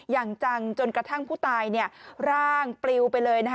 อย่างจังจนกระทั่งผู้ตายร่างปลิวไปเลย